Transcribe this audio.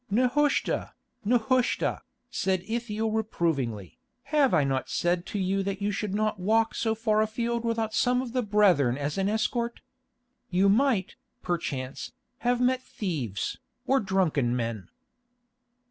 "Nehushta, Nehushta," said Ithiel reprovingly, "have I not said to you that you should not walk so far afield without some of the brethren as an escort? You might, perchance, have met thieves, or drunken men."